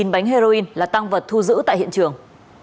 tám mươi chín bánh heroin là tăng vật thu giữ tại hiện trường